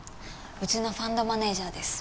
うちのファンドマネージャーです。